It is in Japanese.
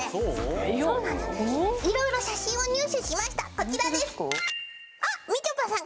こちらですみちょぱさん